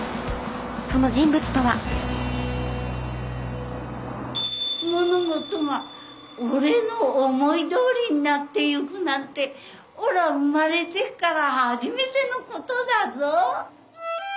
その人物とは物事が俺の思いどおりになってゆくなんておら生まれてから初めてのことだぞ。